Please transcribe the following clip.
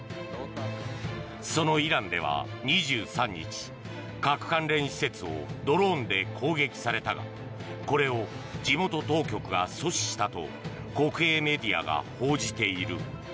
そのイランでは２３日核関連施設をドローンで攻撃されたがこれを地元当局が阻止したと国営メディアが報じている。